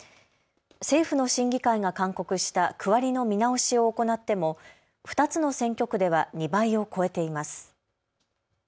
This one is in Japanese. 政府の審議会が勧告した区割りの見直しを行っても２つの選挙区では２倍を超えています。